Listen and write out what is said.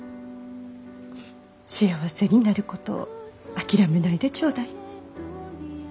幸せになることを諦めないでちょうだい。